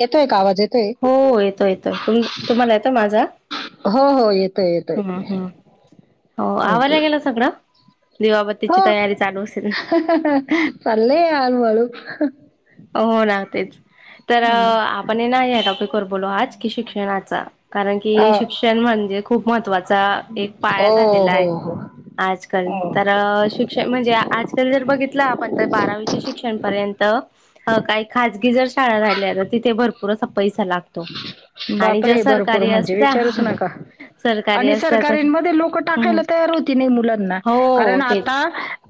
येतोय का आवाज येतोय. हो येतोय येतोय तुम तुम्हाला येतोय माझा. हो हो येतोय येतोय. हम्म हम्म. हो ओके आवरलं गेल सगळं दिवाबत्तीची हो तयारी चालू असेल चाललाय हळू हळु हो ना तेच तर आपण हे ना या टॉपिक वर बोलू आज शिक्षणाचा कारण अ, की शिक्षण म्हणजे खूप महत्त्वाचा. एक हो पाया झालेला हो आहे. हो आजकाल तर शिक्षण म्हणजे. आजकाल जर बघितलं आपण तर बारावीच्या शिक्षणपर्यंत काही खजगी जर शाळा झाल्या तर तिथे भरपूर पैसा लागतो. आणि जर बापरे भरपूर सरकारी म्हणजे असल्या विचारूच नका सरकारी आणि असल्या तर सरकारीनमध्ये लोकं हम्म टाकायला तयार होती नाही मुलांना कारण हो आता तेच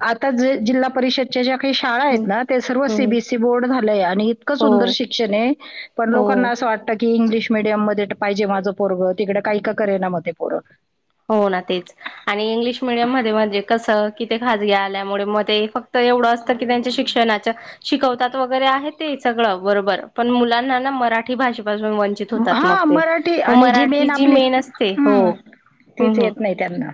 आता जि जिल्हा परिषदच्या ज्या काही शाळा हम्म आहेत ना ते सर्व हम्म हम्म. सीबीएससी बोर्ड झालंय आणि इतकं हो सुंदर शिक्षण आहे पण लोकांना हो असं वाटत की इंग्लिश मिडीयम मध्ये पाहिजे माझं पोरगं तिकड काही का करे ना म ते पोरं हो ना तेच आणि इंग्लिश मिडीयम मध्ये म्हणजे कसं किती खाजगी आल्यामुळे मग ते फक्त एवढं असतं कि त्यांच्या शिक्षणाच्या शिकवतात वगैरे आहे ते सगळं बरोबर पण मुलांना ना मराठी मराठी भाषेपासून वंचित होतात मग हां, ते मराठी म आणि मराठी जी आपली मेन असते. हो हं, हम्म तीच हम्म येत नाही त्यांना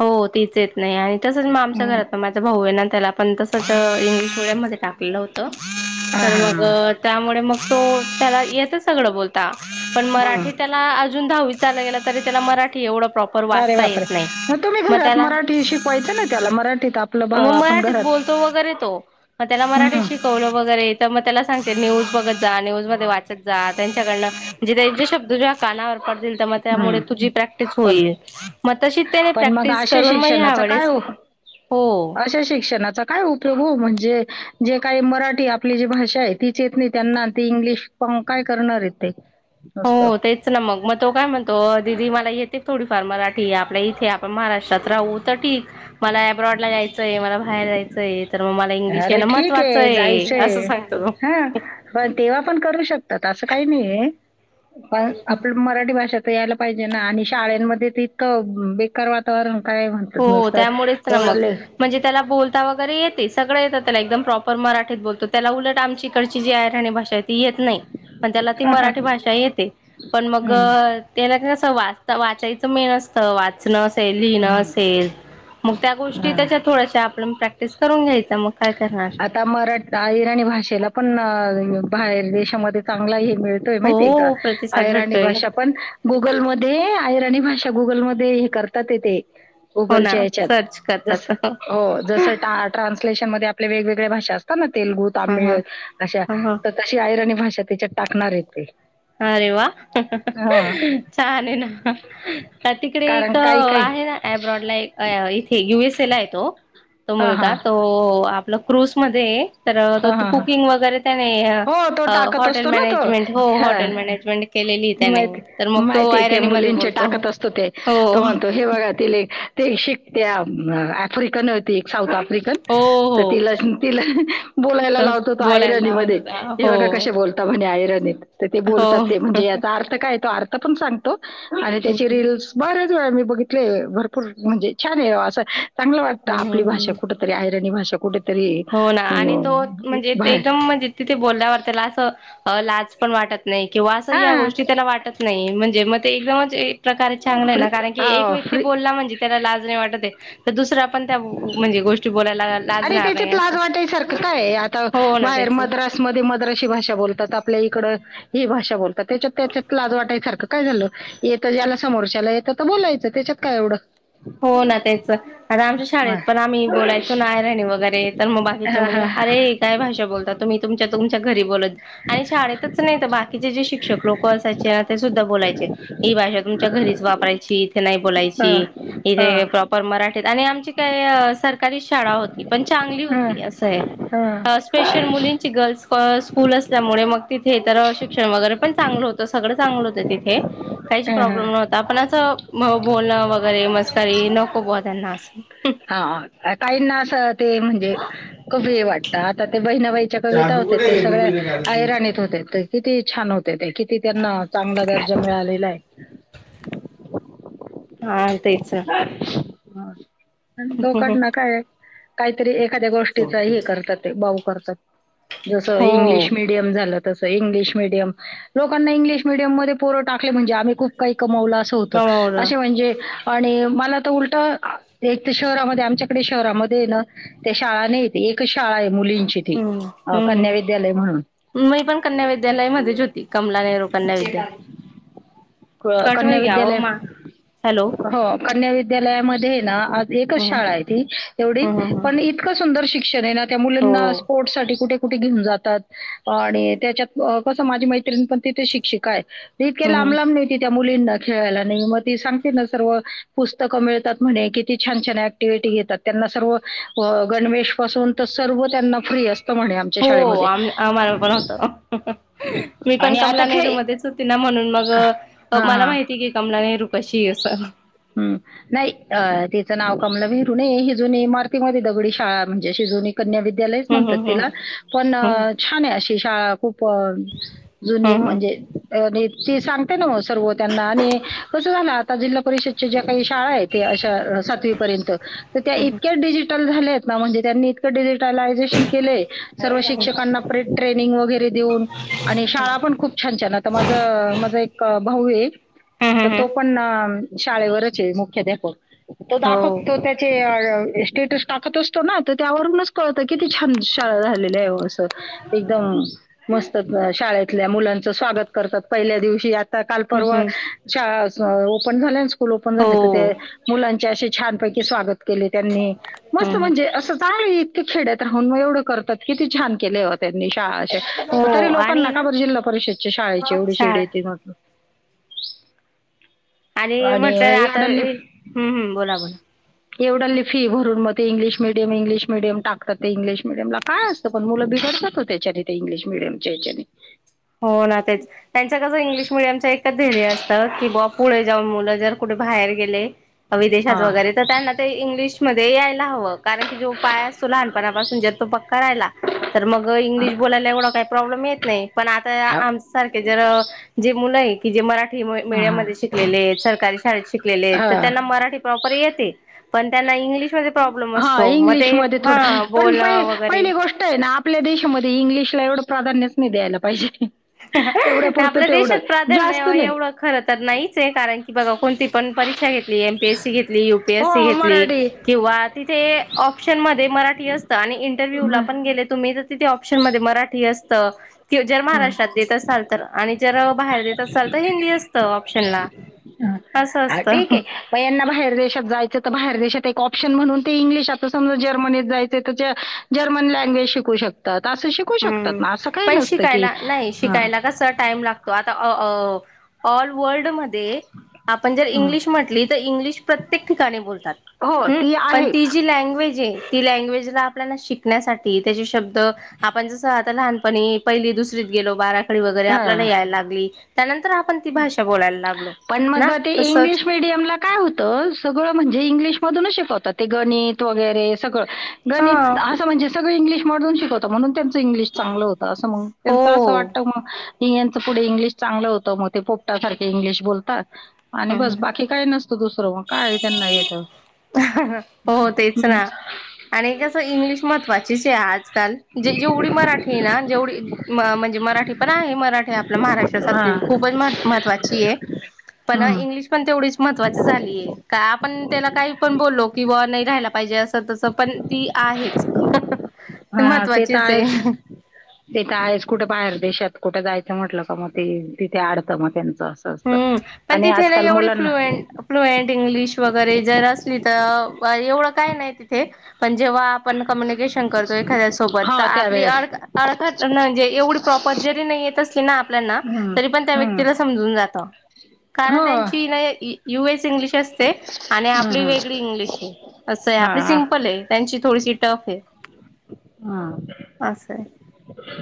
हो तीच येत नाही आणि तसंच म आमच्या हं. घरात पण माझा भाऊ आहे ना त्याला पण तसंच इंग्लिश मीडियम मध्ये टाकलं होत. हां, तर मग हां. त्यामुळे मग तो त्याला येतं सगळं बोलता पण हं. मराठी त्याला अजून दहावीत आता गेला तरी त्याला मराठी एवढं प्रॉपर अरे वाचता बापरे! येत नाही मग तुम्ही म घरात त्याला मराठी शिकवायचं ना त्याला मराठीत आपलं भा म आपण मराठीत घरात बोलतो वगैरे तो म त्याला मराठी हं, शिकवलं वगैरे तर म त्याला सांगते न्यूज बघत जा न्यूज मध्ये वाचत जा त्यांच्याकडन त्यांचे शब्द तुझ्या कानावर पडतील. त म त्यामुळे हं. तुझी प्रॅक्टिस होईल म तशी ते प्रॅक्टीस म अशे शिक्षणाचा काय उपयोग हो [inaudible] अशे शिक्षणाचा काय उपयोग हो म्हणजे जे काही मराठी आपली जी भाषा आहे तीच येत नाही त्यांना ती इंग्लिश फक्त काय करणार आहेत ते हो नुसतं. तेच ना मग म तो काय म्हणतो दिदी मला येते थोडी फार मराठी आपल्या इथे आपण महाराष्ट्रात राहू तर ठीक मला अब्रॉड ला जायचंय मला बाहेर जायचंय तर म मला इंग्लिश येणं महत्वाचं आहे असं सांगतो तो ह पण तेव्हा पण करू शकतात असं काही नाही आहे पण आपल्याला मराठी भाषा यायला पाहिजे ना आणि शाळमध्ये त इतक बेकार वातावरण काय म्हणत हो नसत त्यामुळेच ना मग म्हणजे त्याला बोलता वगैरे येतं ते सगळं येतं त्याला एकदम प्रॉपर मराठीत बोलतो त्याला उलट आमच्या इकडची जी आहेराणी भाषा आहे ती येत नाही मण त्याला ती मराठी भाषा येते पण मग हं, त्यालाना ते आस वाचता वाचायचं मेन असतं वाचणं असेल लिहिणं हं, असेल मग त्या गोष्टी हां. त्याच्या थोड्याश्या आपलं प्रॅक्टिस करून घ्यायचं मग काय करणार आता मराठ अहिराणी भाषेला पण बाहेर देशामध्ये चांगला हे मिळतोय माहिती आहे का हो प्रतिसाद अहिराणी भेटतोय भाषा पण गुगलमध्ये त्यांनी भाषा गुगलमध्ये करता येते. हो ना गुगलच्या ह्याच्यात सर्च जस, करतात ह हो. जसं टा ट्रान्सलेशनमध्ये आपल्या वेगवेगळ्या भाषा असतात ना तेलगू, हा हा. तामिळ, अशा हा. तर तशी आयरणी भाषा त्याच्या टाकणार येथे अरे वा, छान हे ना. तर तिकडे कारण एक काही काही आहे ना एब्रॉड ला एक इथे यु एस ए ला आहे तो. तो हां, हां. मुलगा तो आपला क्रुस मध्ये हे. तर हां, हां, हां. कुकिंग वगैरे त्याने हो, तो अ टाकत हॉटेल असतो ना तो. मॅनेजमेंट हो हां. हॉटेल मॅनेजमेंट केलेलीये त्याने माहिती तर मग तो माहिती आहे, त्या ऐरणी मध्ये मुलींचे बोलतो, टाकत असतो ते हो. तो [unintelligible] ते शिक त्या आफ्रिकन होती एक साऊथ आफ्रिकन, हो तर हो तिला तिला बोलायला तर लावतो तो बोलायला लावत आयरनीमध्ये होता हे हो. बघा कसे बोलता म्हणे आयरनीत. तर ते हो बोलतात ते म्हणजे याचा अर्थ काय तो अर्थ पण सांगतो आणि त्याची रिल्स बर वेळा मी बघितले भरपूर म्हणजे छान आहे असं चांगलं वाटतं आपली हम्म. भाषा कुठेतरी आयरणी भाषा कुठेतरी हो ना अ आणि तो म्हणजे एकदम म्हणजे तिथे बोलल्यावर त्याला असं अ लाज पण वाटत नाही. किंवा असं या हा गोष्टी त्याना वाटत नाही म्हणजे मग ते एकदमच प्रकारे चांगलं आहे फ्री ना कारण की एक हा व्यक्ती फ्री बोलला म्हणजे त्याला लाज नाही वाटतहे. दुसरं आपण त्या म्हणजे गोष्टी बोलायला लाजणार नाही. असं [unintelligible] सारखं काय आहे आता हो ना बाहेर त्याच मद्रास मधे मद्रासी भाषा बोलतात. आपल्या इकडं ही भाषा बोलतात त्याच्यात त्याच्यात लाज वाटायसारखं काय झालं येतं ज्याला समोरच्याला येतं तर बोलायचं त्याच्यात काय एवढं. हो ना तेच आता आमच्या शाळेत हा. पण आम्ही बोलायचो ना ऐरणी वगैरे तर मग बाकीच्या हा, मुली हा. अरे काय भाषा बोलता तुम्ही तुमच्या तुमच्या घरी बोलत आणि शाळेतच नाही तर बाकीचे जे शिक्षक लोक असायचे ना ते सुद्धा बोलायचे. ही भाषा तुमच्या घरीच वापरायची. नाही बोलायची, हा, हा. इथे प्रॉपर मराठीत आणि आमची काय स सरकारीच शाळा होती पण चांगली हा, होती असं आहे हा. स्पेशल मुलींची गर्ल्स प स्कूल असल्यामुळे मग तिथे तर शिक्षण वगैरे पण चांगलं होतं सगळं चांगलं होतं तिथे. काहीच हा, हा. प्रॉब्लेम नव्हता पण असं बोलणं वगैरे मस्त [unintelligible] नको बा त्याना असं हा काहींना असं ते म्हणजे कमी वाटतं आता ते बहिणाबाईच्या कविता चाबी होत्या कुठे ते आहे गं सगळ्या तुझ्या गाडीची? आयराणीत होते ते किती छान होते. [unintelligible] किती त्यांना चांगला दर्जा मिळालेला आहे. हा तेच. दोघटना काय काहीतरी एक एखाद्या गोष्टीचा हे करतात ते बाऊ करतात, जसं हो इंग्लिश मिडीयम झालं. जसं इंग्लिश मिडीयम लोकांना इंग्लिश मिडीयम मधे पोरं टाकले म्हणजे आम्ही खुप काही कमवलं असं होतं, कमवलं असे म्हणजे मला तर उलट एक तर शहरामध्ये आमच्याकडे शहरामध्ये आहे ना त्या शाळा नाहीेत एकच शाळा आहे. मुलींची ती हम्म अ हम्म कन्या हम्म विद्यालय म्हणून मी पण कन्या विद्यालय मध्येच होती, कमला नेहरू कन्या विद्यालय. कट कन्या होई गया ओ विद्यालय, मां हॅलो हो कन्या विद्यालयामध्ये ना एकच हम्म शाळा आहे ती एवढी हम्म हम्म पण इतकं सुंदर शिक्षण आहे ना त्या मुलांना हो स्पोर्ट साठी कुठे कुठे घेऊन जातात आणि त्याच्यात कसं माझी मैत्रिणी पण तिथे शिक्षिका आहे. इतके लांब हम्म लांब नेती त्या मुलींना खेळायला नाही मग ती सांग त्यांना सर्व पुस्तकं मिळतात म्हने किती छान छान अँक्टिव्हिटी येतात त्यांना सर्व गण वेश पासून तर सर्व त्यांना फ्री असतं म्हणे आमच्या हो शाळेमध्ये. आम आम्हाला पण होतं. मी पण आणि आता कमला नेहरू खेळ मध्येच होते ना म्हणून मग मला माहिती की कमला नेहरू कशी अस हम्म नाही अ ते तिचं नाव कमला नेहरू नाही ही जुनी इमारतीमध्ये दगडी शाळा म्हणजे अशी जुनी कन्या विद्यालय हम्म म्हणतात हम्म तिला पण हम्म छान अशी शाळा पण जुनी हम्म हम्म म्हणजे अ ती सांगते ना मग सर्व त्यांना आणि कसं झाला आता जिल्हा परिषदची ज्या काही शाळा आहे अशा सातवीपर्यंत तर त्या हम्म. इतक्या डिजिटल झाल्यात म्हंजे त्यांनी इतक डिजिटलायझेशन केलंय सर्व शिक्षकांना ट्रेनिंग वगैरे देऊन आणि शाळा पण खूप छान छान आता माझ माझ एक भाऊ आहे हम्म हम्म तर हम्म हम्म तो पण शाळेवरच आहे मुख्याध्यापक तो हो दाखव तो त्याचे स्टेटस टाकत असतो ना त्यावरूनच कळतं किती छान शाळा झालेल्या एकदम मस्त शाळेतल्या मुलांचे स्वागत करतात पहिल्या दिवशी काल हम्म परवा हम्म शाळा ओपन झाल्या स्कूल ओपन झाल्यात हो. मुलांचे असे छानपैकी स्वागत केले त्यांनी मस्त हम्म म्हणजे अस चागलय खेड्यात राहून एवढ करतात किती छान केले हो त्यांनी शाळा हो तरी आणि लोकांना का ना बर जिल्हा परिषदच्या शाळेचे एवढी चीड शाळा येतय मग. आणि म्हटलं आता हम्मम्म बोला बोला. एवढा ल फी भरून मग ते इंग्लिश मिडीयम इंगलिश मिडियम टाकत ते इंग्लिश मिडियम ला काय असत पण मुलं भ त्याच्या ते इंग्लिश मिडियमच्या हेच्यात. हो ना तेच त्यांच कसं इंग्लिश मिडियमच्या एकच ध्येर्य असतं की बा वा पुढे जाऊन मुलं जर कुठे बाहेर गेले ते विदेशात हा वगैरे तर त्यांना ते इंग्लिश मध्ये यायला [unintelligible] का प्रॉब्लेम येत नाही. पण आता हा आमच्या सारखे जर जे मुलं आहे की जे मराठी मीडियम हा. मध्ये शिकलेले आहेत सरकारी शाळेत शिकलेले तर हा त्यांना मराठी प्रॉपर येते पण त्यां इंग्लिशमध्ये प्रॉब्लेम हा असतो मग ते इंग्लिशमध्ये हा थोडं पण प बोलणं वगैरे पहिली गोष्ट आहे ना आपल्या देशामध्ये इंग्लिशला एवढं प्राधान्यच नाही द्यायला पाहिजे. तेवढ्या पुरतं आपल्या तेवढं देशात प्राधान्य जास्त नाही एवढं खर तर नाहीच आहे कारण की बघा कोणती पण परिक्षा घेतली एमपीएससी घेतली यूपीएससी हो घेतली. मराठी किंवा ते ऑप्शन मध्ये मराठी असतं आणि इंटरव्ह्यू ला पण गेले तुम्ही तर तिथे ऑप्शन मध्ये मराठी अस जर हा. महाराष्ट्रात देत असाल तर आणि जर बाहेर देत असाल तर हिंदी असतं ऑप्शन ला. ह हा ठीक आहे मग यांना बाहेर देशात जायचं तर बाहेर देशात एक ऑप्शन म्हणून ते इंग्लिश आता समज जर्मनीत जायचे तर जर्मन लँग्वेज शिकू शकतात. असं शिकू शकतात हम्म ना. असं काही पण नसतं की शिकायला नाही हां, शिकायला कस टाइम लागतो आता अ ऑल वर्ल्ड मध्ये आपण जर हां. इंग्लिश म्हटली तर इंग्लिश प्रत्येक ठिकाणी बोलतात. हो, हम्म ती पण आहे. ती जी लँग्वेज आहे ती लँग्वेजला आपल्याला शिकण्यासाठी त्याचे शब्द आपण जसं आता लहानपणी पहिली दुसरीत गेलो बाराखडी वगैरे आपल्याला हां. यायला लागली त्यानंतर आपण ती भाषा बोलायला लागलो. पण मग ना ते तसच इंग्लिश मिडीयम ला काय होतं सगळं म्हणजे इंग्लिश मधूनच शिकवतात ते गणित वगैरे सगळं हा गणित आस म्हणजे सगळं सगळं इंग्लिश मधुन शिकवत म्हणून त्यांच इंग्लिश चांगलं होत असं म्हणत त्यांच असं हो. वाटतं म हि यांचे पुढे इंग्लिश चांगलं होतं मग ते पोपटासारख इंग्लिश बोलतात‌. आणि हम्म बस बाकी काय नसतं दुसरं मग काय त्यांना येत. हो तेच ना. आणि असं इंग्लिश महत्वाचीच आहे आजकाल जे जेवढी मराठी ना जेवढी म्हणजे मराठी पण आहे मराठी आपल्या महाराष्ट्रासाठी हां. खूपच महत्त्वाची आहे. पण हम्म. इंग्लिश पण तेवढीच महत्वाची झाली आहे का आपण त्याला काही पण बोललो की नाही राहायला पाहिजे अस तस पण ती आहेच हा ते तर महत्त्वाचीच आहेच आहे. ते तर आहेच कुठे बाहेर दे शात कुठ जायचं म्हटलं का मग ते तिे आडतं मग त्यांच हम् पण तिथे ना एवढी फ्लुएंट फ्लुएंट इंग्लिश वगैरे जर असली तर एवढं काहीं नाही तिथे पण जेव्हा आपण कम्युनिकेशन शन करतो एखाद्या सोबत तर हो आपली त्यावेळेस अढक अढकट म्हणजे एवढी पप्रॉपर जरी नाही येत असली ना आपल्याना हम्म तरी पण त्या हम्म व्यक्तीला समजून जात हो कारण त्यांची नाही इ यू एस इंग्लिश असते आणि आपली हम्म वेगळी इंग्लिश हे असंय हा आपली हा सिम्पल आहे त्यांची थोडी टफ हे. हा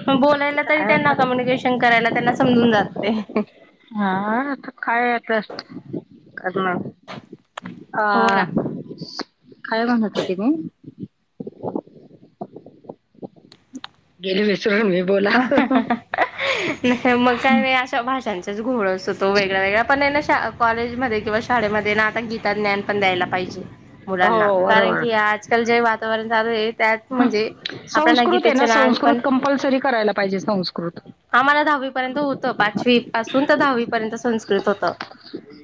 म बोलायला तरी त्यांना कम्युनिकेशन करायला त्यांना समजून जाते हा काय त करना हो ना. ह काय म्हणत होती मी गेली विसरून मी बोला. न काय मग काय नी अशा भाषांचाच घोळ असतो तो वेगळा वेगळा पण हेना शा कॉलेजमध्ये किंवा शाळेमध्ये ना आता गीता ज्ञान पण द्यायला पाहिजे. मुलांना कारण बरोबर की आजकाल जे वातावरण चालुये. त्यात म्हणजे आपल्यांना संस्कृत आहे गीतेच्या ना ज्ञान पण संस्कृत कंपल्सरी करायला पाहिजे संस्कृत आम्हाला दहावी पर्यंत होत. त पाचवी पासून तर दहावी पर्यंत संस्कृत होतं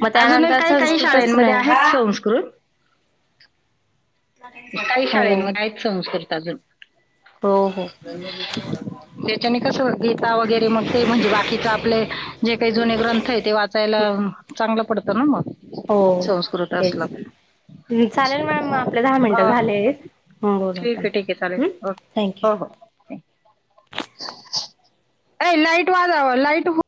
म अजूनही त्यानंतर काही काही संस्कृतच शाळेमध्ये नही हा आहेत संस्कृत काही शाळेंमध आहे संस्कृत अजून हो हो. त्याच्याने कस गीता वगैरे मग ते म्हणजे बाकीच आपले जे काही जुने ग्रंथ हे ते वाचाय त्याला चांगलं पडतं ना मग. हो संस्कृत तेच असला चालेल मॅम आपल्या दहा मिनट हा झाले हे बोलू आपण ठीक आहे ठीक आहे हं थँक्यू अय लाईट वाजाव लाईट व